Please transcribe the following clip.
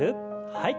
はい。